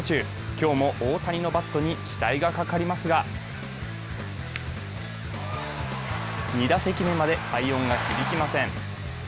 今日も大谷のバットに期待がかかりますが２打席目まで快音が響きません。